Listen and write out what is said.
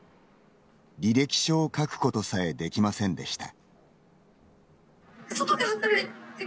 履歴書を書くことさえできませんでした。